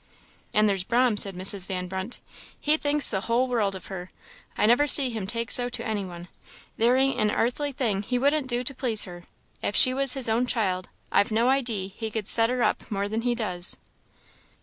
"And there's 'Brahm," said Mrs. Van Brunt; "he thinks the hull world of her. I never see him take so to any one. There ain't an airthly thing he wouldn't do to please her. If she was his own child, I've no idee he could set her up more than he does."